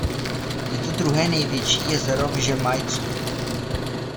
Je to druhé největší jezero v Žemaitsku.